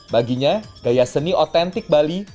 baginya gaya seni otentik bali bisa diperoleh